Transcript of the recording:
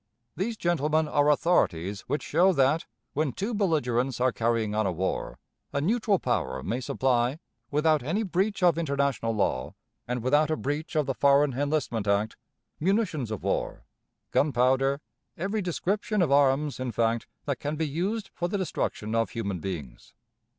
] These gentlemen are authorities which show that, when two belligerents are carrying on a war, a neutral power may supply, without any breach of international law and without a breach of the Foreign Enlistment Act, munitions of war gunpowder, every description of arms, in fact, that can be used for the destruction of human beings.